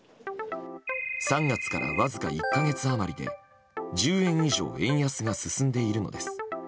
３月からわずか１か月余りで１０円以上円安が進んでいるのです。